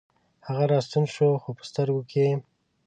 هغه راستون شو، خوپه سترګوکې یې